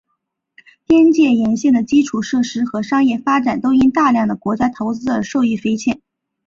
边界沿线的基础设施和商业发展都因大量的国家投资而受益匪浅。